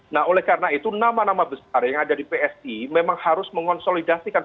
nah oleh karena itu nama nama besar yang ada di psi memang harus mengonsolidasikan